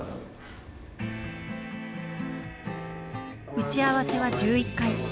打ち合わせは１１回。